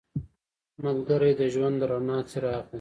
ملګری د ژوند د رڼا څراغ دی